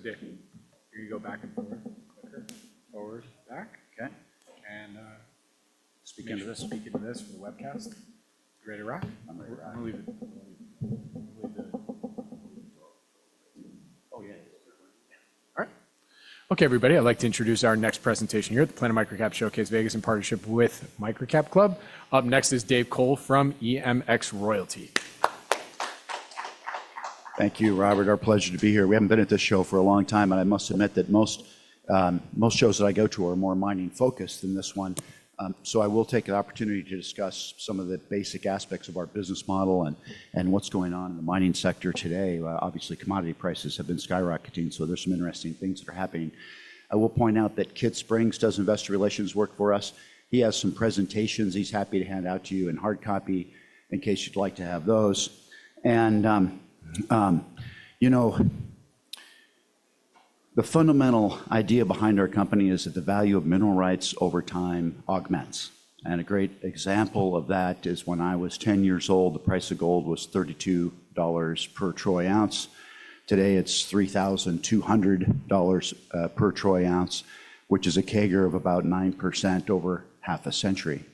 David, you're going to go back and forth, quicker, forward, back. Okay. Speaking of this, speaking of this for the webcast, you ready to rock? I'm going to leave it. Oh, yeah. All right. Okay, everybody, I'd like to introduce our next presentation here, the Planet Microcap Showcase Vegas in partnership with Microcap Club. Up next is Dave Cole from EMX Royalty. Thank you, Robert. Our pleasure to be here. We haven't been at this show for a long time, and I must admit that most shows that I go to are more mining-focused than this one. I will take an opportunity to discuss some of the basic aspects of our business model and what's going on in the mining sector today. Obviously, commodity prices have been skyrocketing, so there's some interesting things that are happening. I will point out that Kit Springs does investor relations work for us. He has some presentations he's happy to hand out to you in hard copy in case you'd like to have those. You know, the fundamental idea behind our company is that the value of mineral rights over time augments. A great example of that is when I was 10 years old, the price of gold was $32 per troy ounce. Today, it's $3,200 per troy ounce, which is a CAGR of about 9% over half a century.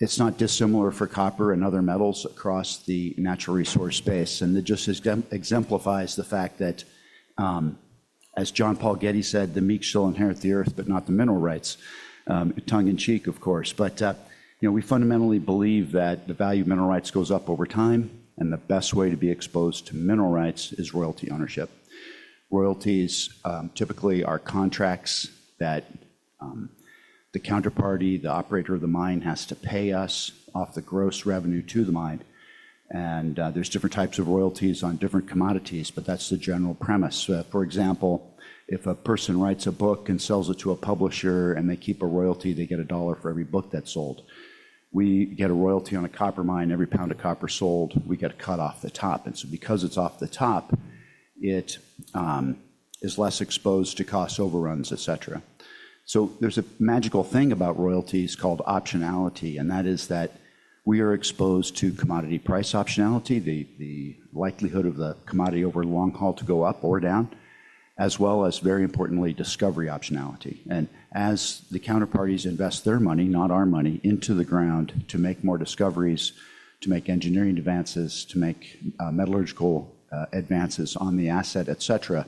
It's not dissimilar for copper and other metals across the natural resource space. It just exemplifies the fact that, as John Paul Getty said, the meek shall inherit the earth, but not the mineral rights. Tongue in cheek, of course. You know, we fundamentally believe that the value of mineral rights goes up over time, and the best way to be exposed to mineral rights is royalty ownership. Royalties typically are contracts that the counterparty, the operator of the mine, has to pay us off the gross revenue to the mine. There's different types of royalties on different commodities, but that's the general premise. For example, if a person writes a book and sells it to a publisher and they keep a royalty, they get a dollar for every book that's sold. We get a royalty on a copper mine; every pound of copper sold, we get a cut off the top. Because it's off the top, it is less exposed to cost overruns, et cetera. There is a magical thing about royalties called optionality, and that is that we are exposed to commodity price optionality, the likelihood of the commodity over the long haul to go up or down, as well as, very importantly, discovery optionality. As the counterparties invest their money, not our money, into the ground to make more discoveries, to make engineering advances, to make metallurgical advances on the asset, et cetera,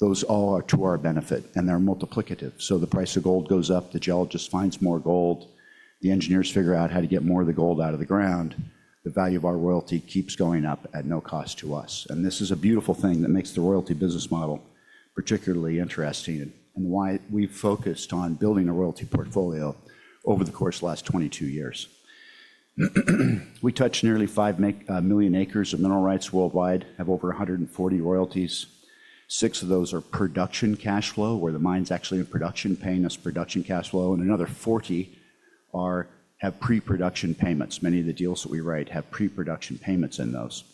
those all are to our benefit, and they're multiplicative. The price of gold goes up, the geologist finds more gold, the engineers figure out how to get more of the gold out of the ground, the value of our royalty keeps going up at no cost to us. This is a beautiful thing that makes the royalty business model particularly interesting and why we've focused on building a royalty portfolio over the course of the last 22 years. We touch nearly 5 million acres of mineral rights worldwide, have over 140 royalties. Six of those are production cash flow, where the mine's actually in production, paying us production cash flow, and another 40 have pre-production payments. Many of the deals that we write have pre-production payments in those.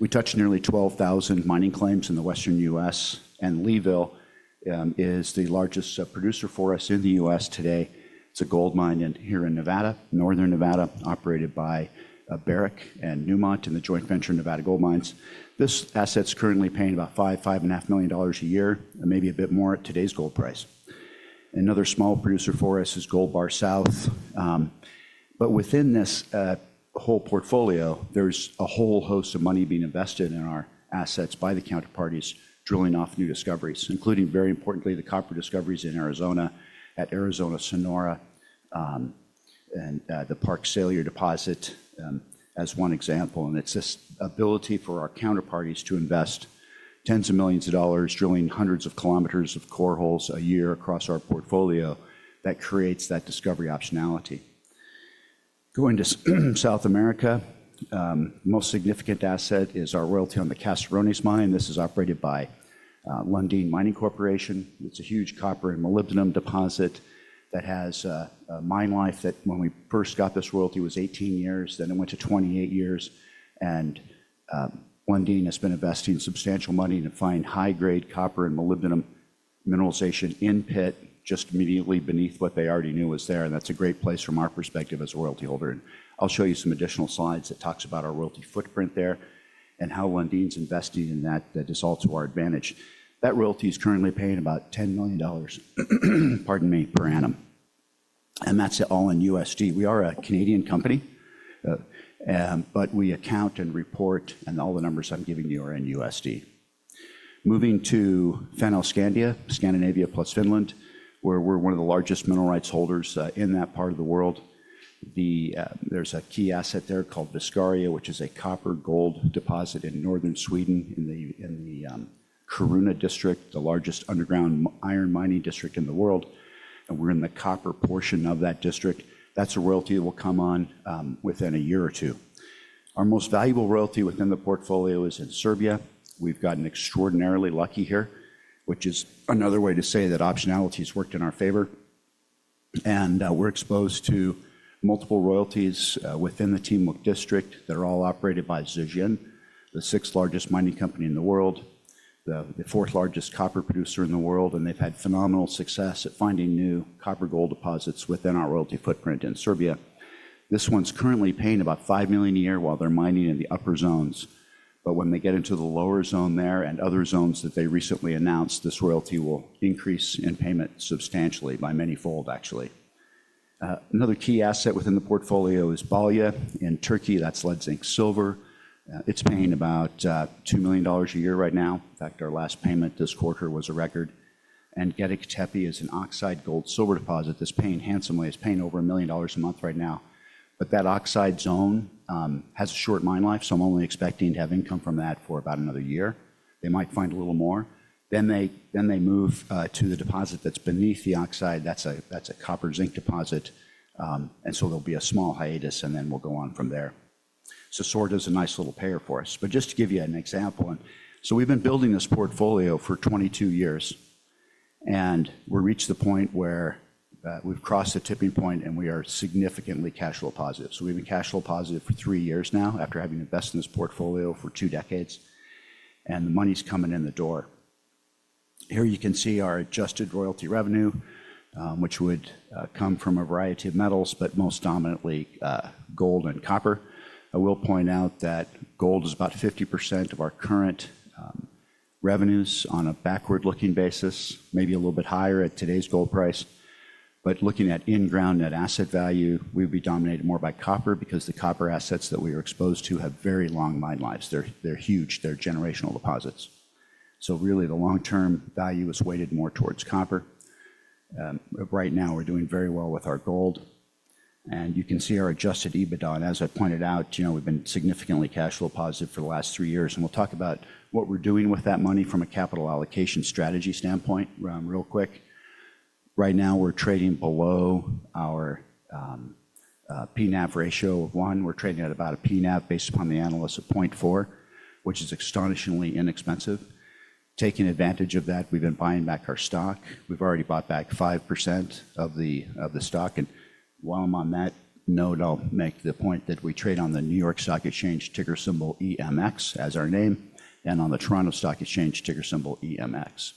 We touch nearly 12,000 mining claims in the Western US, and Leeville is the largest producer for us in the U.S. today. It's a gold mine here in Nevada, northern Nevada, operated by Barrick and Newmont in the joint venture Nevada Gold Mines. This asset's currently paying about $5 million-$5.5 million a year, maybe a bit more at today's gold price. Another small producer for us is Gold Bar South. Within this whole portfolio, there's a whole host of money being invested in our assets by the counterparties, drilling off new discoveries, including, very importantly, the copper discoveries in Arizona at Arizona Sonoran, and the Parks/Salyer Deposit, as one example. It's this ability for our counterparties to invest tens of millions of dollars, drilling hundreds of kilometers of core holes a year across our portfolio that creates that discovery optionality. Going to South America, the most significant asset is our royalty on the Caserones mine. This is operated by Lundin Mining Corporation. It's a huge copper and molybdenum deposit that has a mine life that, when we first got this royalty, was 18 years. It went to 28 years. Lundin has been investing substantial money to find high-grade copper and molybdenum mineralization in pit, just immediately beneath what they already knew was there. That's a great place from our perspective as a royalty holder. I'll show you some additional slides that talk about our royalty footprint there and how Lundin's investing in that is all to our advantage. That royalty is currently paying about $10 million, pardon me, per annum. That's all in USD. We are a Canadian company, but we account and report, and all the numbers I'm giving you are in USD. Moving to Fennoscandia, Scandinavia plus Finland, where we're one of the largest mineral rights holders in that part of the world. There's a key asset there called Viscaria, which is a copper-gold deposit in northern Sweden, in the Kiruna District, the largest underground iron mining district in the world. We're in the copper portion of that district. That's a royalty that will come on within a year or two. Our most valuable royalty within the portfolio is in Serbia. We've gotten extraordinarily lucky here, which is another way to say that optionality has worked in our favor. We're exposed to multiple royalties within the Timok District that are all operated by Zijin, the sixth largest mining company in the world, the fourth largest copper producer in the world, and they've had phenomenal success at finding new copper-gold deposits within our royalty footprint in Serbia. This one's currently paying about $5 million a year while they're mining in the upper zones. When they get into the lower zone there and other zones that they recently announced, this royalty will increase in payment substantially by many fold, actually. Another key asset within the portfolio is Balya in Turkey. That's lead-zinc-silver. It's paying about $2 million a year right now. In fact, our last payment this quarter was a record. And Gediktepe is an oxide gold-silver deposit that's paying handsomely. It's paying over $1 million a month right now. That oxide zone has a short mine life, so I'm only expecting to have income from that for about another year. They might find a little more. They move to the deposit that's beneath the oxide. That's a copper-zinc deposit, and so there'll be a small hiatus, and then we'll go on from there. Svartliden is a nice little payer for us. Just to give you an example, we've been building this portfolio for 22 years, and we've reached the point where we've crossed the tipping point, and we are significantly cash flow positive. We've been cash flow positive for three years now after having invested in this portfolio for two decades, and the money's coming in the door. Here you can see our adjusted royalty revenue, which would come from a variety of metals, but most dominantly, gold and copper. I will point out that gold is about 50% of our current revenues on a backward-looking basis, maybe a little bit higher at today's gold price. Looking at in-ground net asset value, we would be dominated more by copper because the copper assets that we are exposed to have very long mine lives. They're huge. They're generational deposits. Really, the long-term value is weighted more towards copper. Right now, we're doing very well with our gold. You can see our adjusted EBITDA, and as I pointed out, you know, we've been significantly cash flow positive for the last three years. We'll talk about what we're doing with that money from a capital allocation strategy standpoint, real quick. Right now, we're trading below our PNAV ratio of one. We're trading at about a PNAV based upon the analysts of 0.4, which is astonishingly inexpensive. Taking advantage of that, we've been buying back our stock. We've already bought back 5% of the stock. While I'm on that note, I'll make the point that we trade on the New York Stock Exchange, ticker symbol EMX, as our name, and on the Toronto Stock Exchange, ticker symbol EMX.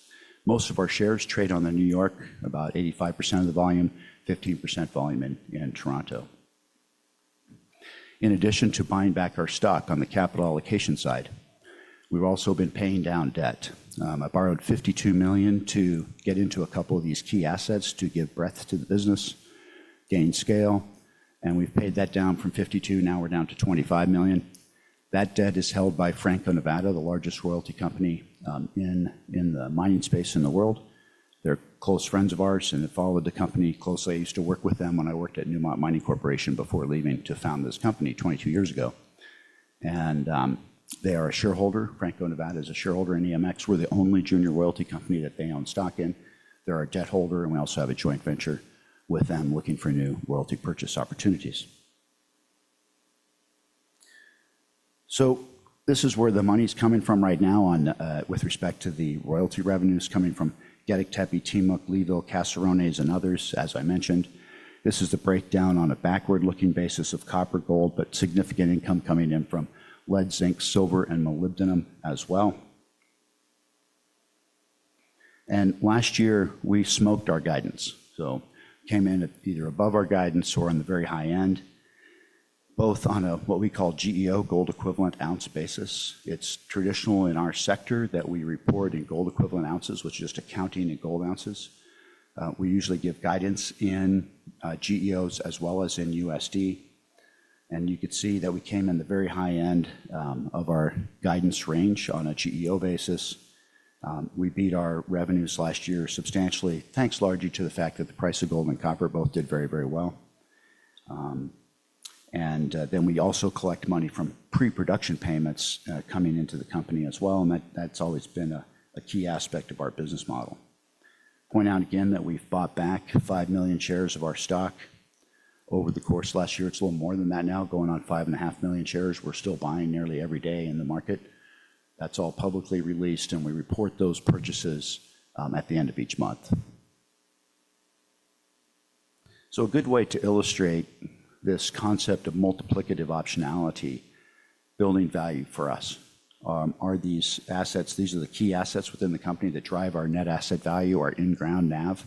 Most of our shares trade on the New York, about 85% of the volume, 15% volume in Toronto. In addition to buying back our stock on the capital allocation side, we've also been paying down debt. I borrowed $52 million to get into a couple of these key assets to give breadth to the business, gain scale, and we've paid that down from $52 million. Now we're down to $25 million. That debt is held by Franco-Nevada, the largest royalty company in the mining space in the world. They're close friends of ours, and they followed the company closely. I used to work with them when I worked at Newmont Mining Corporation before leaving to found this company 22 years ago. They are a shareholder. Franco-Nevada is a shareholder in EMX. We're the only junior royalty company that they own stock in. They're our debt holder, and we also have a joint venture with them looking for new royalty purchase opportunities. This is where the money's coming from right now, with respect to the royalty revenues coming from Gediktepe, Timok, Leeville, Caserones, and others, as I mentioned. This is the breakdown on a backward-looking basis of copper-gold, but significant income coming in from lead-zinc-silver and molybdenum as well. Last year, we smoked our guidance. Came in at either above our guidance or on the very high end, both on a what we call GEO, gold equivalent ounce basis. It's traditional in our sector that we report in gold equivalent ounces, which is just accounting in gold ounces. We usually give guidance in GEOs as well as in USD. You could see that we came in the very high end of our guidance range on a GEO basis. We beat our revenues last year substantially, thanks largely to the fact that the price of gold and copper both did very, very well. We also collect money from pre-production payments coming into the company as well. That has always been a key aspect of our business model. I point out again that we have bought back 5 million shares of our stock over the course of last year. It is a little more than that now, going on 5.5 million shares. We are still buying nearly every day in the market. That is all publicly released, and we report those purchases at the end of each month. A good way to illustrate this concept of multiplicative optionality, building value for us, are these assets. These are the key assets within the company that drive our net asset value, our in-ground NAV.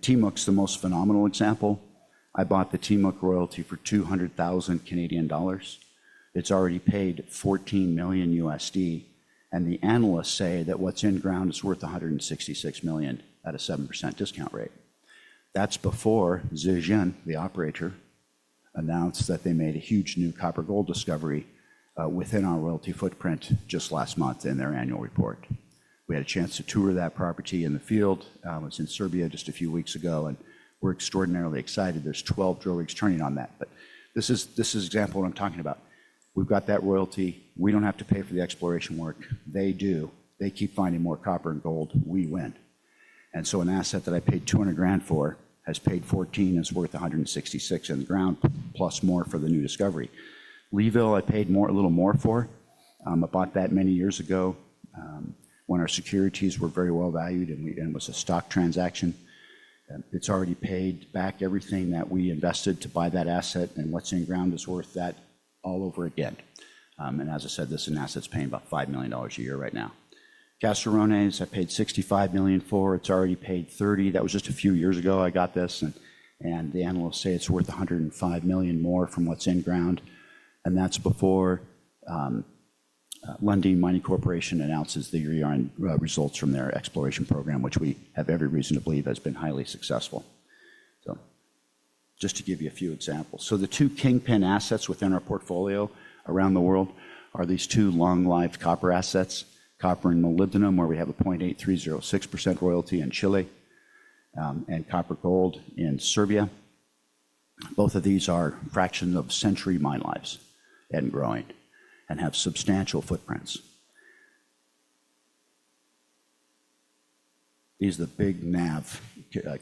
Timok's the most phenomenal example. I bought the Timok royalty for 200,000 Canadian dollars. It's already paid $14 million, and the analysts say that what's in-ground is worth $166 million at a 7% discount rate. That's before Zijin, the operator, announced that they made a huge new copper-gold discovery within our royalty footprint just last month in their annual report. We had a chance to tour that property in the field. It was in Serbia just a few weeks ago, and we're extraordinarily excited. There are 12 drill rigs turning on that. This is an example of what I'm talking about. We've got that royalty. We don't have to pay for the exploration work. They do. They keep finding more copper and gold. We win. An asset that I paid $200,000 for has paid $14 million and is worth $166 million in the ground, plus more for the new discovery. Leeville, I paid more, a little more for. I bought that many years ago, when our securities were very well valued and it was a stock transaction. It's already paid back everything that we invested to buy that asset, and what's in-ground is worth that all over again. As I said, this is an asset that's paying about $5 million a year right now. Caserones, I paid $65 million for. It's already paid $30 million. That was just a few years ago I got this, and the analysts say it's worth $105 million more from what's in-ground. That is before Lundin Mining Corporation announces the year-end results from their exploration program, which we have every reason to believe has been highly successful. Just to give you a few examples. The two kingpin assets within our portfolio around the world are these two long-lived copper assets, copper and molybdenum, where we have a 0.8306% royalty in Chile, and copper-gold in Serbia. Both of these are fractions of a century mine lives and growing and have substantial footprints. These are the big NAV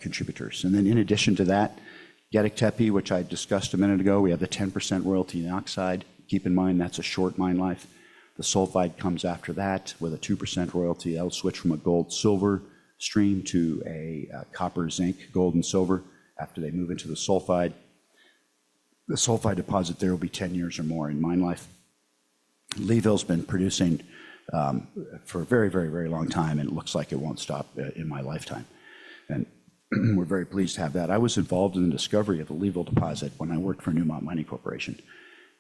contributors. In addition to that, Gediktepe, which I discussed a minute ago, we have the 10% royalty in oxide. Keep in mind that is a short mine life. The sulfide comes after that with a 2% royalty. They will switch from a gold-silver stream to a copper-zinc gold and silver after they move into the sulfide. The sulfide deposit there will be 10 years or more in mine life. Leeville's been producing, for a very, very, very long time, and it looks like it won't stop, in my lifetime. We are very pleased to have that. I was involved in the discovery of the Leeville deposit when I worked for Newmont Mining Corporation,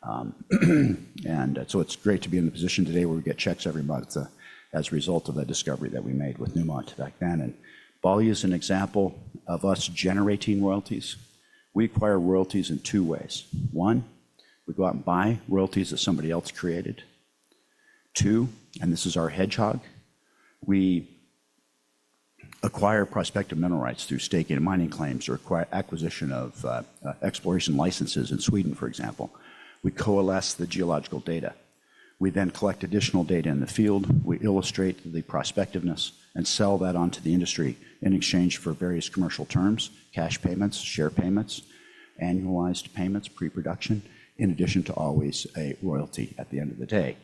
and so it's great to be in the position today where we get checks every month as a result of that discovery that we made with Newmont back then. Balya is an example of us generating royalties. We acquire royalties in two ways. One, we go out and buy royalties that somebody else created. Two, and this is our hedgehog, we acquire prospective mineral rights through staking and mining claims or acquisition of exploration licenses in Sweden, for example. We coalesce the geological data. We then collect additional data in the field. We illustrate the prospectiveness and sell that onto the industry in exchange for various commercial terms, cash payments, share payments, annualized payments, pre-production, in addition to always a royalty at the end of the day.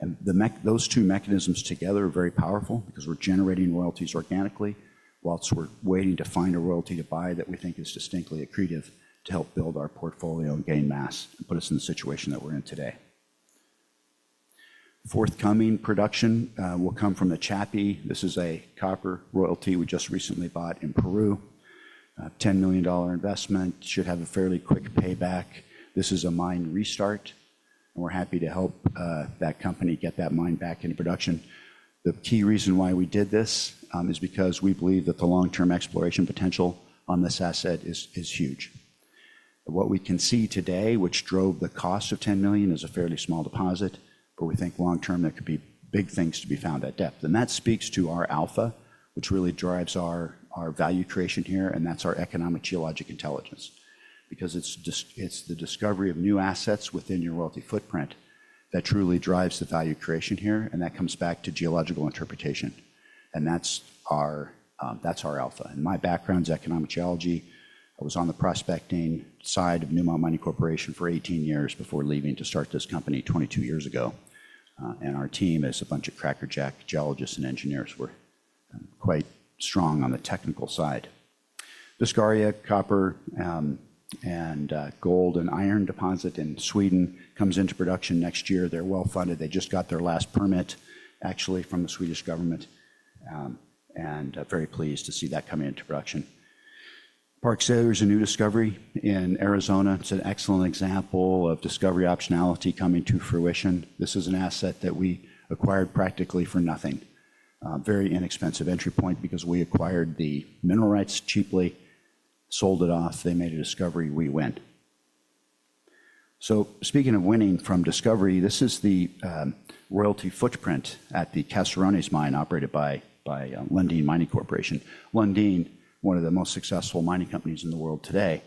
The mech those two mechanisms together are very powerful because we're generating royalties organically whilst we're waiting to find a royalty to buy that we think is distinctly accretive to help build our portfolio and gain mass and put us in the situation that we're in today. Forthcoming production will come from the Chapi. This is a copper royalty we just recently bought in Peru. $10 million investment should have a fairly quick payback. This is a mine restart, and we're happy to help that company get that mine back into production. The key reason why we did this is because we believe that the long-term exploration potential on this asset is, is huge. What we can see today, which drove the cost of $10 million, is a fairly small deposit, but we think long-term there could be big things to be found at depth. That speaks to our alpha, which really drives our value creation here, and that's our economic geologic intelligence. Because it's just, it's the discovery of new assets within your royalty footprint that truly drives the value creation here, and that comes back to geological interpretation. That's our alpha. My background's economic geology. I was on the prospecting side of Newmont Mining Corporation for 18 years before leaving to start this company 22 years ago. Our team is a bunch of crackerjack geologists and engineers. We're quite strong on the technical side. Viscaria copper, gold and iron deposit in Sweden comes into production next year. They're well funded. They just got their last permit, actually, from the Swedish government, and, very pleased to see that coming into production. Parks/Salyer is a new discovery in Arizona. It's an excellent example of discovery optionality coming to fruition. This is an asset that we acquired practically for nothing. Very inexpensive entry point because we acquired the mineral rights cheaply, sold it off. They made a discovery. We win. Speaking of winning from discovery, this is the royalty footprint at the Caserones mine operated by Lundin Mining Corporation. Lundin, one of the most successful mining companies in the world today,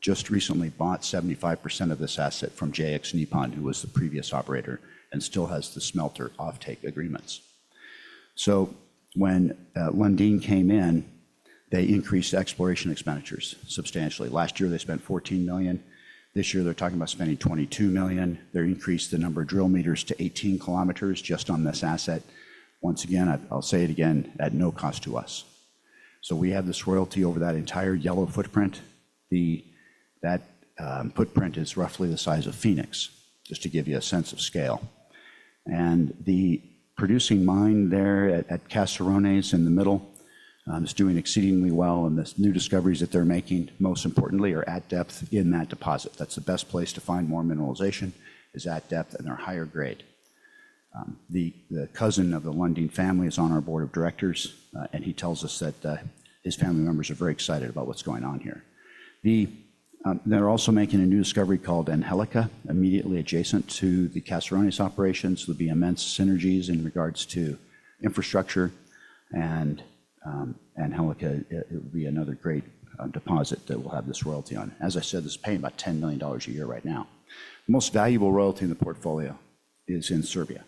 just recently bought 75% of this asset from JX Nippon, who was the previous operator and still has the smelter offtake agreements. When Lundin came in, they increased exploration expenditures substantially. Last year, they spent $14 million. This year, they're talking about spending $22 million. They're increasing the number of drill meters to 18 kilometers just on this asset. Once again, I'll say it again, at no cost to us. We have this royalty over that entire yellow footprint. That footprint is roughly the size of Phoenix, just to give you a sense of scale. The producing mine there at Caserones in the middle is doing exceedingly well, and the new discoveries that they're making, most importantly, are at depth in that deposit. That's the best place to find more mineralization is at depth and they're higher grade. The cousin of the Lundin family is on our board of directors, and he tells us that his family members are very excited about what's going on here. They're also making a new discovery called Angelica immediately adjacent to the Caserones operations. There'll be immense synergies in regards to infrastructure and, Angelica, it'll be another great deposit that we'll have this royalty on. As I said, this is paying about $10 million a year right now. The most valuable royalty in the portfolio is in Serbia.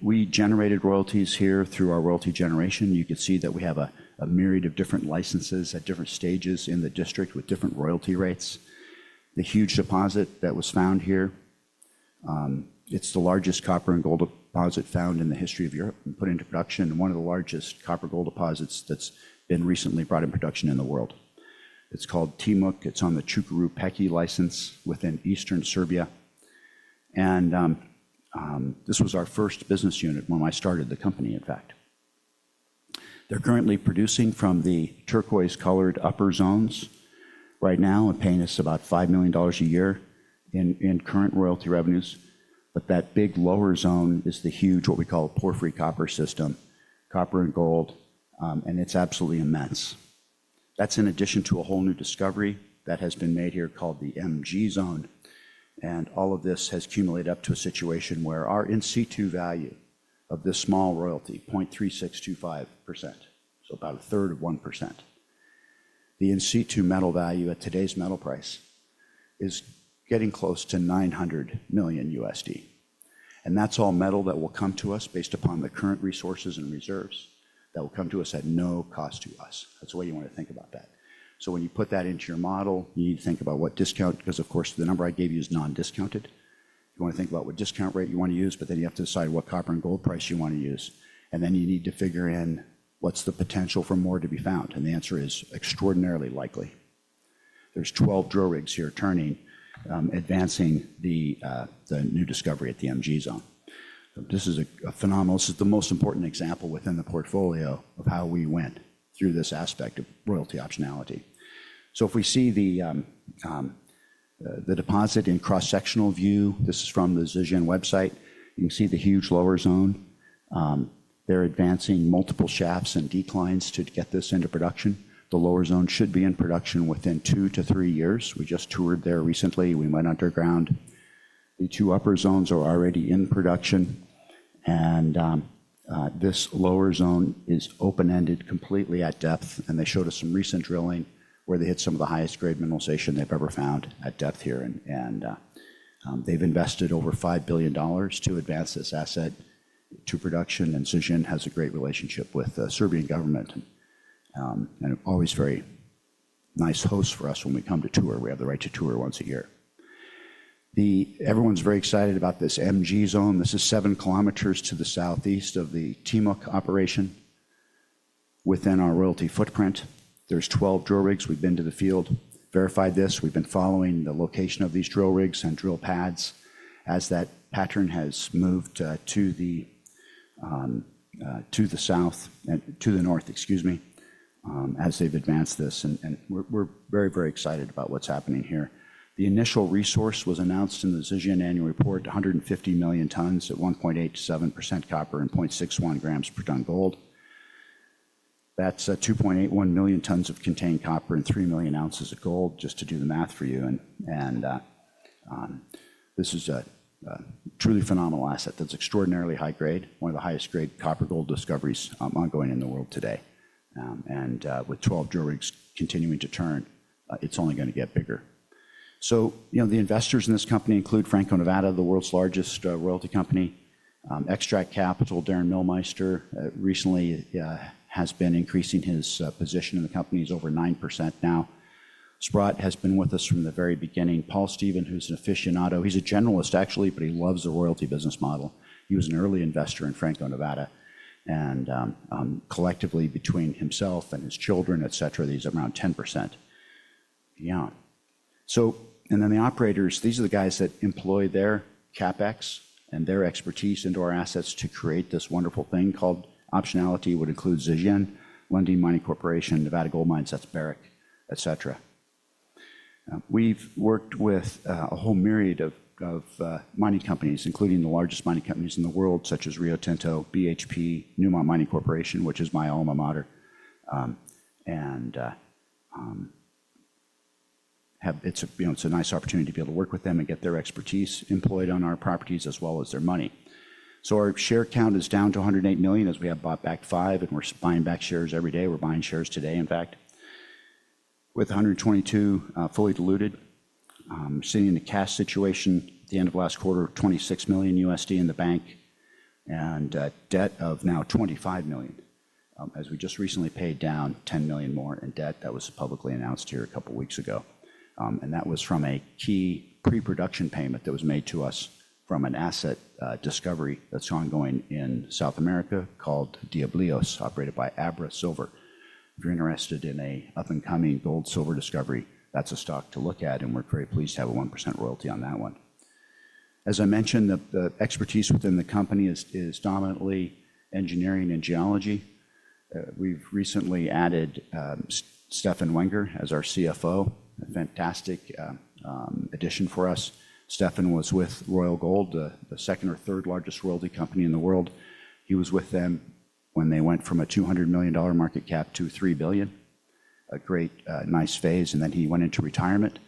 We generated royalties here through our royalty generation. You can see that we have a myriad of different licenses at different stages in the district with different royalty rates. The huge deposit that was found here, it's the largest copper and gold deposit found in the history of Europe and put into production, one of the largest copper-gold deposits that's been recently brought into production in the world. It's called Timok. It's on the Cukaru Peki license within eastern Serbia. This was our first business unit when I started the company, in fact. They're currently producing from the turquoise-colored upper zones right now and paying us about $5 million a year in current royalty revenues. That big lower zone is the huge, what we call porphyry copper system, copper and gold, and it's absolutely immense. That's in addition to a whole new discovery that has been made here called the MG zone. All of this has cumulated up to a situation where our NC2 value of this small royalty, 0.3625%, so about a third of 1%, the NC2 metal value at today's metal price is getting close to $900 million. That's all metal that will come to us based upon the current resources and reserves that will come to us at no cost to us. That's the way you want to think about that. When you put that into your model, you need to think about what discount, because of course the number I gave you is non-discounted. You want to think about what discount rate you want to use, but then you have to decide what copper and gold price you want to use. You need to figure in what's the potential for more to be found. The answer is extraordinarily likely. There are 12 drill rigs here turning, advancing the new discovery at the MG zone. This is a phenomenal example. This is the most important example within the portfolio of how we went through this aspect of royalty optionality. If we see the deposit in cross-sectional view, this is from the Zijin website. You can see the huge lower zone. They are advancing multiple shafts and declines to get this into production. The lower zone should be in production within two to three years. We just toured there recently. We went underground. The two upper zones are already in production. This lower zone is open-ended completely at depth. They showed us some recent drilling where they hit some of the highest grade mineralization they've ever found at depth here. They've invested over $5 billion to advance this asset to production. Zijin has a great relationship with the Serbian government and always very nice hosts for us when we come to tour. We have the right to tour once a year. Everyone's very excited about this MG zone. This is 7 kilometers to the southeast of the Timok operation within our royalty footprint. There are 12 drill rigs. We've been to the field, verified this. We've been following the location of these drill rigs and drill pads as that pattern has moved to the south and to the north, excuse me, as they've advanced this. We're very, very excited about what's happening here. The initial resource was announced in the Zijin annual report, 150 million tons at 1.87% copper and 0.61 grams per ton gold. That's 2.81 million tons of contained copper and 3 million ounces of gold, just to do the math for you. This is a truly phenomenal asset that's extraordinarily high grade, one of the highest grade copper-gold discoveries ongoing in the world today. With 12 drill rigs continuing to turn, it's only going to get bigger. You know, the investors in this company include Franco-Nevada, the world's largest royalty company. Extract Capital, Darin Milmeister, recently, has been increasing his position in the company. He's over 9% now. Sprott has been with us from the very beginning. Paul Steven, who's an aficionado, he's a generalist actually, but he loves the royalty business model. He was an early investor in Franco-Nevada. Collectively between himself and his children, et cetera, these are around 10%. The operators, these are the guys that employ their CapEx and their expertise into our assets to create this wonderful thing called optionality, which includes Zijin, Lundin Mining Corporation, Nevada Gold Mines, that's Barrick, et cetera. We've worked with a whole myriad of mining companies, including the largest mining companies in the world, such as Rio Tinto, BHP, Newmont Mining Corporation, which is my alma mater. and, have, it's a, you know, it's a nice opportunity to be able to work with them and get their expertise employed on our properties as well as their money. Our share count is down to 108 million as we have bought back five, and we're buying back shares every day. We're buying shares today, in fact, with 122, fully diluted, sitting in a cash situation at the end of last quarter, $26 million in the bank, and, debt of now $25 million, as we just recently paid down $10 million more in debt that was publicly announced here a couple of weeks ago. That was from a key pre-production payment that was made to us from an asset, discovery that's ongoing in South America called Diablillos, operated by AbraSilver. If you're interested in an up-and-coming gold-silver discovery, that's a stock to look at, and we're very pleased to have a 1% royalty on that one. As I mentioned, the expertise within the company is dominantly engineering and geology. We've recently added Stefan Wenger as our CFO, a fantastic addition for us. Stefan was with Royal Gold, the second or third largest royalty company in the world. He was with them when they went from a $200 million market cap to $3 billion, a great, nice phase. He went into retirement.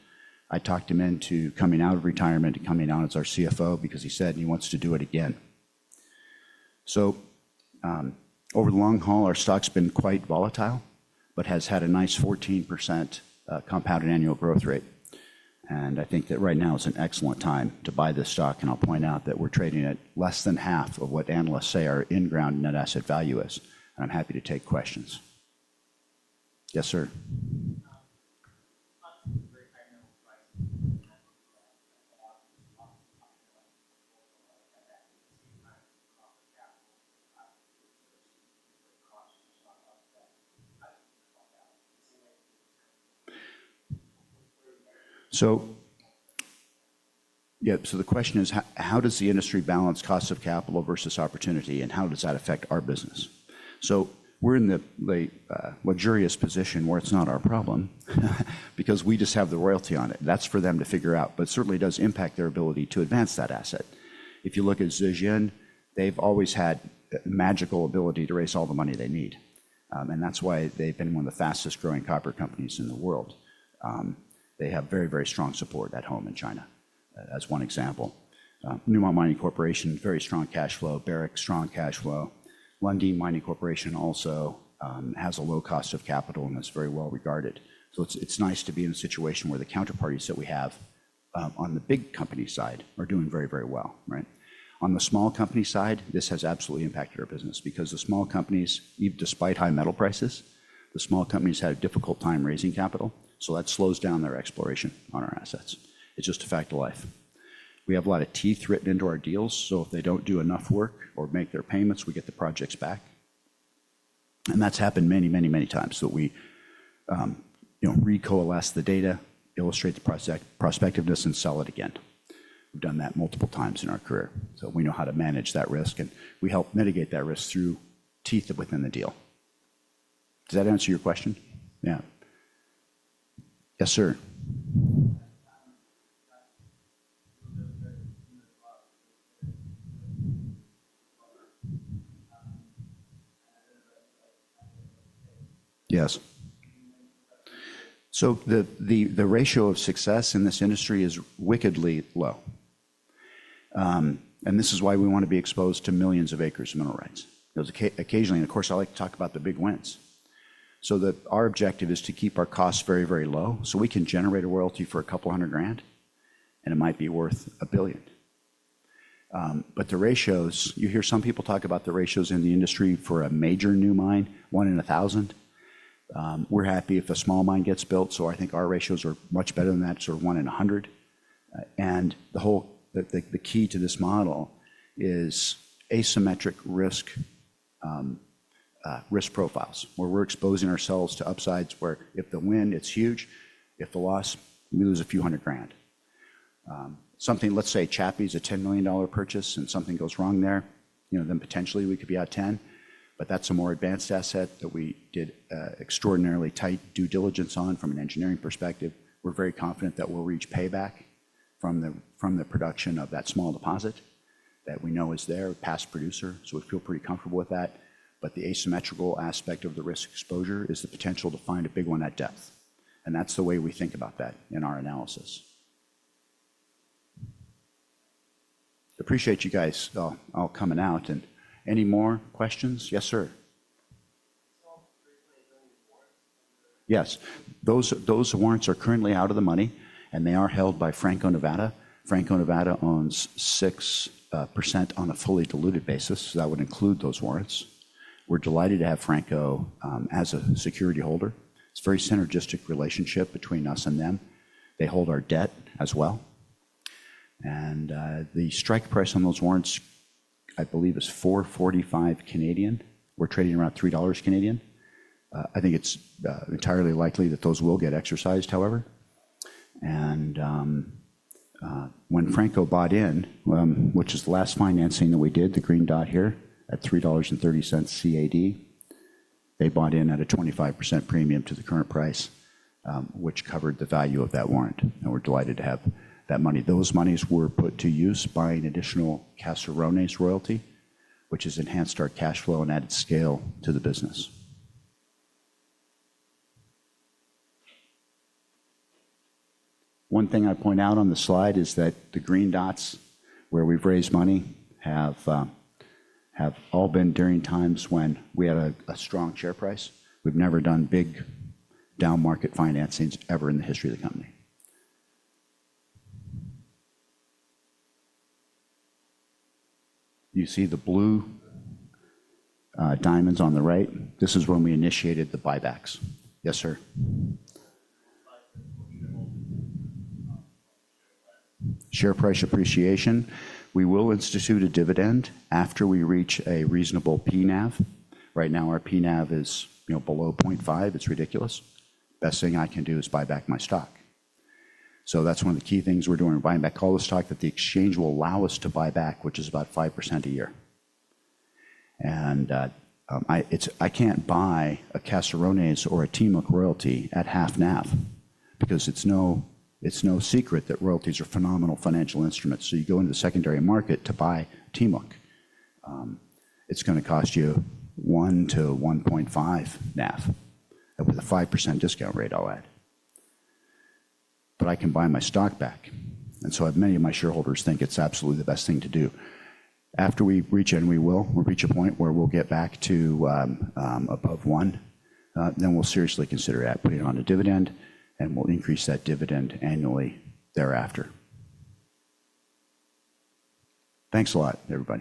I talked him into coming out of retirement and coming out as our CFO because he said he wants to do it again. Over the long haul, our stock's been quite volatile, but has had a nice 14% compounded annual growth rate. I think that right now is an excellent time to buy this stock. I'll point out that we're trading at less than half of what analysts say our in-ground net asset value is. I'm happy to take questions. Yes, sir. The question is, how does the industry balance cost of capital versus opportunity, and how does that affect our business? We're in the luxurious position where it's not our problem because we just have the royalty on it. That's for them to figure out, but it certainly does impact their ability to advance that asset. If you look at Zijin, they've always had a magical ability to raise all the money they need. That's why they've been one of the fastest growing copper companies in the world. They have very, very strong support at home in China, as one example. Newmont Mining Corporation, very strong cash flow, Barrick, strong cash flow. Lundin Mining Corporation also has a low cost of capital and is very well regarded. It's nice to be in a situation where the counterparties that we have on the big company side are doing very, very well, right? On the small company side, this has absolutely impacted our business because the small companies, even despite high metal prices, the small companies had a difficult time raising capital. That slows down their exploration on our assets. It's just a fact of life. We have a lot of teeth written into our deals. If they don't do enough work or make their payments, we get the projects back. That's happened many, many, many times that we, you know, recoalesce the data, illustrate the prospectiveness, and sell it again. We've done that multiple times in our career. We know how to manage that risk, and we help mitigate that risk through teeth within the deal. Does that answer your question? Yes. Yes, sir. Yes. The ratio of success in this industry is wickedly low. This is why we want to be exposed to millions of acres of mineral rights. There's occasionally, and of course, I like to talk about the big wins. Our objective is to keep our costs very, very low so we can generate a royalty for a couple hundred grand, and it might be worth a billion. The ratios, you hear some people talk about the ratios in the industry for a major new mine, one in a thousand. We're happy if a small mine gets built. I think our ratios are much better than that, sort of one in a hundred. The whole, the key to this model is asymmetric risk profiles where we're exposing ourselves to upsides where if the win, it's huge. If the loss, we lose a few hundred grand. Let's say Chapi is a $10 million purchase and something goes wrong there, you know, then potentially we could be out $10 million, but that's a more advanced asset that we did extraordinarily tight due diligence on from an engineering perspective. We're very confident that we'll reach payback from the production of that small deposit that we know is there, past producer. We feel pretty comfortable with that. The asymmetrical aspect of the risk exposure is the potential to find a big one at depth. That's the way we think about that in our analysis. Appreciate you guys. I'll, I'll coming out and any more questions? Yes, sir. Yes. Those warrants are currently out of the money and they are held by Franco-Nevada. Franco-Nevada owns 6% on a fully diluted basis. That would include those warrants. We're delighted to have Franco as a security holder. It's a very synergistic relationship between us and them. They hold our debt as well. The strike price on those warrants, I believe, is 4.45. We're trading around 3 dollars. I think it's entirely likely that those will get exercised, however. When Franco bought in, which is the last financing that we did, the green dot here at 3.30 CAD, they bought in at a 25% premium to the current price, which covered the value of that warrant. We're delighted to have that money. Those monies were put to use buying additional Caserones royalty, which has enhanced our cash flow and added scale to the business. One thing I point out on the slide is that the green dots where we've raised money have all been during times when we had a strong share price. We've never done big down market financings ever in the history of the company. You see the blue diamonds on the right. This is when we initiated the buybacks. Yes, sir. Share price appreciation. We will institute a dividend after we reach a reasonable PNAV. Right now, our PNAV is, you know, below 0.5. It's ridiculous. Best thing I can do is buy back my stock. So that's one of the key things we're doing. We're buying back all the stock that the exchange will allow us to buy back, which is about 5% a year. I can't buy a Caserones or a Timok royalty at half NAV because it's no secret that royalties are phenomenal financial instruments. You go into the secondary market to buy Timok, it's going to cost you one-1.5 NAV with a 5% discount rate, I'll add. I can buy my stock back. I have many of my shareholders think it's absolutely the best thing to do. After we reach it, and we will, we'll reach a point where we'll get back to above one. We will seriously consider putting it on a dividend, and we'll increase that dividend annually thereafter. Thanks a lot, everybody.